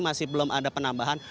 masih belum ada penambahan